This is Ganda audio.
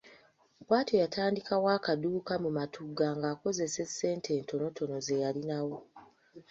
Bw’atyo yatandikawo akaduuka mu Matugga ng’akozesa essente entonotono ze yalinawo.